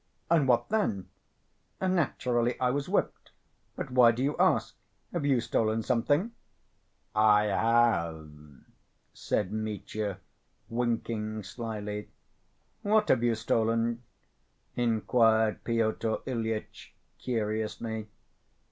"And what then?" "Naturally I was whipped. But why do you ask? Have you stolen something?" "I have," said Mitya, winking slyly. "What have you stolen?" inquired Pyotr Ilyitch curiously.